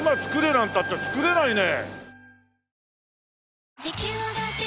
なんたって作れないね！